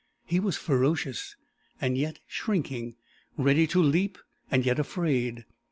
He was ferocious, and yet shrinking; ready to leap, and yet afraid.